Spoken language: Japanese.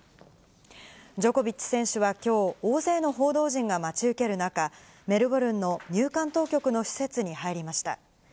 ジョコビッチ選手はきょう、大勢の報道陣が待ち受ける中、メルボルンの入管当局の施設に入りました。